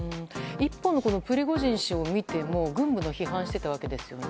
一方のプリゴジン氏を見ても軍部の批判をしていたわけですよね。